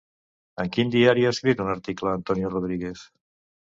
En quin diari ha escrit un article Antonio Rodríguez?